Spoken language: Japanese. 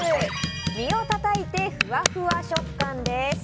身をたたいてふわふわ食感です。